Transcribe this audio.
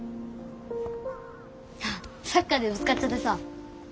あサッカーでぶつかっちゃってさ。